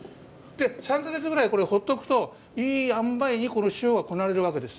３か月ぐらいこれ放っておくといいあんばいにこの塩がこなれるわけです。